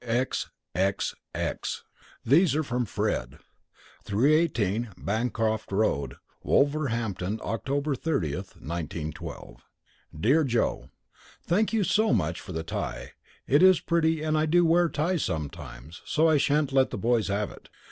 X X X X These are from Fred. 318, BANCROFT ROAD, WOLVERHAMPTON October 30, 1912. DEAR JOE: Thank you so much for the tie it is pretty and I do wear ties sometimes, so I sha'n't let the boys have it.